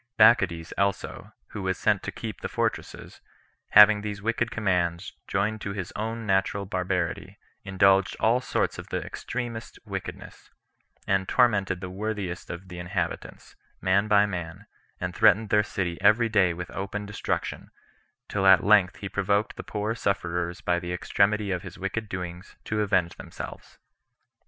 Bacchides also, who was sent to keep the fortresses, having these wicked commands, joined to his own natural barbarity, indulged all sorts of the extremest wickedness, and tormented the worthiest of the inhabitants, man by man, and threatened their city every day with open destruction, till at length he provoked the poor sufferers by the extremity of his wicked doings to avenge themselves.